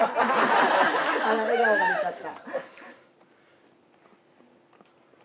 あの笑顔が出ちゃった。